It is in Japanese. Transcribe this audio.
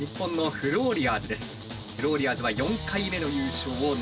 フローリアーズは４回目の優勝を狙います。